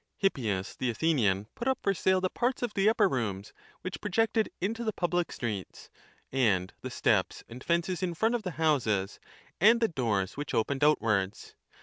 Hippias, the Athenian, put up for sale the parts of the upper rooms which projected into the public streets, and 5 the steps and fences in front of the houses, and the doors which opened outwards.